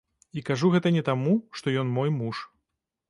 І кажу гэта не таму, што ён мой муж.